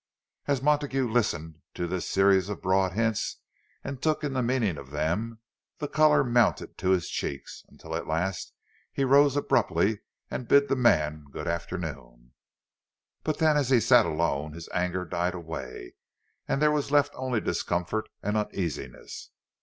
As Montague listened to this series of broad hints, and took in the meaning of them, the colour mounted, to his cheeks—until at last he rose abruptly and bid the man good afternoon. But then as he sat alone, his anger died away, and there was left only discomfort and uneasiness.